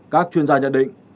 các chuyên gia nhận định